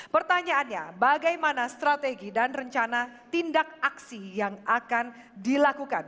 pertanyaannya bagaimana strategi dan rencana tindak aksi yang akan dilakukan